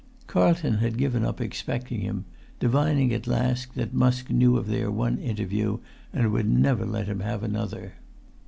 Carlton had given up expecting him, divining at last that Musk knew of their one interview, and would never let them have another.